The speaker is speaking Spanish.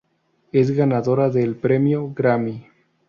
Es ganadora del Premio Grammy.